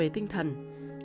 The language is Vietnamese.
nếu không có thì không có